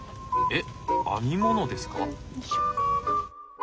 えっ編み物ですか？